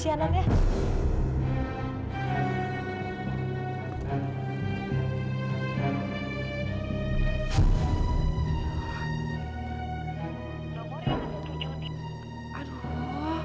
sekarang pada saat inilish peraksi di highest frequency sekarang